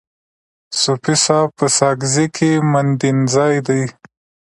صوفي صاحب په ساکزی کي مندینزای دی.